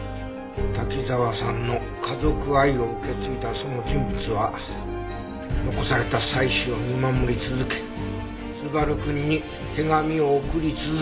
滝沢さんの家族愛を受け継いだその人物は残された妻子を見守り続け昴くんに手紙を送り続け。